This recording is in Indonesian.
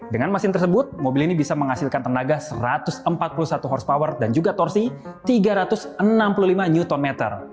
dengan mesin tersebut mobil ini bisa menghasilkan tenaga satu ratus empat puluh satu hpower dan juga torsi tiga ratus enam puluh lima new ton meter